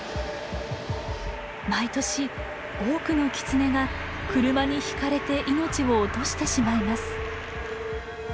毎年多くのキツネが車にひかれて命を落としてしまいます。